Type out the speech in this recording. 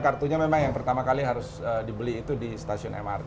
kartunya memang yang pertama kali harus dibeli itu di stasiun mrt